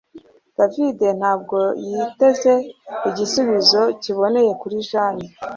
David ntabwo yiteze igisubizo kiboneye kuri Jane